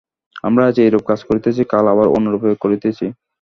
আমরা আজ এইরূপ কাজ করিতেছি, কাল আবার অন্যরূপ করিতেছি।